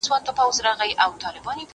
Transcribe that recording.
زه پرون سبزېجات وچول!